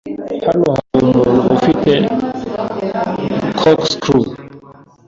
Hano hari umuntu ufite corkscrew?